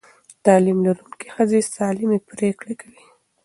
تعلیم لرونکې ښځې سالمې پرېکړې کوي.